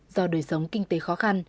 do đời sống kinh tế khó khăn